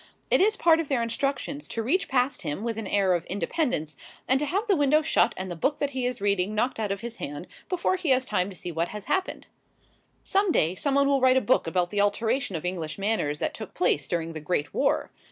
It is part of their instructions to reach past him with an air of independence and to have the window shut and the book that he is reading knocked out of his hand before he has time to see what has happened. Some day someone will write a book about the alteration of English manners that took place during the Great War.